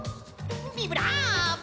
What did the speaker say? ビブラーボ！